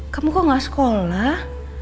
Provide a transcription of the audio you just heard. kamu kok gak sekolah